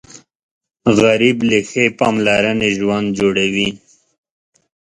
غریب له ښې پاملرنې ژوند جوړوي